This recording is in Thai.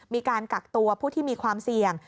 มีการกักตัวผู้ที่มีความเสี่ยง